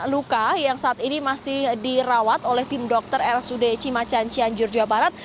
luka yang saat ini masih dirawat oleh tim dokter rsud cimacan cianjur jawa barat